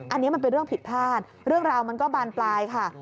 อันนี้มันเป็นเรื่องผิดพลาดเรื่องราวมันก็บานปลายค่ะ